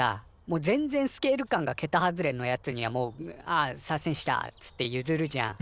もう全然スケール感がけた外れのやつにはもう「あっサーセンした」っつってゆずるじゃん。